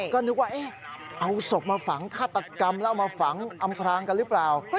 ก็นึกว่าเอาศพมาฝังฆาตกรรมแล้วเอามาฝังอำพรางกันหรือเปล่า